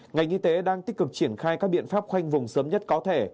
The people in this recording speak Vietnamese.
ngành y tế đang tích cực triển khai các biện pháp khoanh vùng sớm nhất có thể